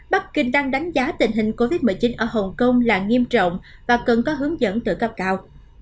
bắc kinh đang đánh giá tình hình covid một mươi chín ở hồng kông là nghiêm trọng và cần có hướng dẫn từ cấp cao